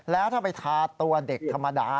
แล้วถ้าไปทาตัวเด็กธรรมดา